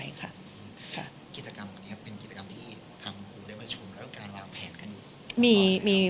กิจกรรมนี้เป็นกิจกรรมที่ทำหูได้ประชุมแล้วก็การวางแผนขึ้น